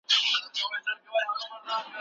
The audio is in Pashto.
د مقالي ژبه باید ساده او علمي وي.